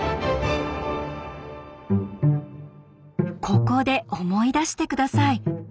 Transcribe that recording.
ここで思い出して下さい。